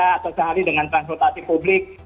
atau sehari dengan transportasi publik